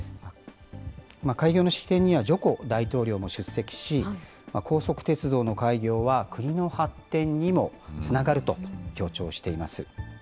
開業の式典にはジョコ大統領も出席し、高速鉄道の開業は国の発展にもつながると強調しています。